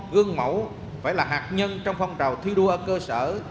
gương mẫu phải là hạt nhân trong phong trào thi đua ở cơ sở